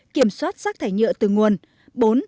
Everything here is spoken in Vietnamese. ba kiểm soát rác thải nhựa từ nguồn